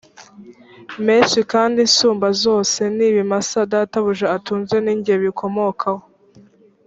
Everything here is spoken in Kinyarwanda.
menshi kandi insumba zose n ibimasa databuja atunze ni nge bikomokaho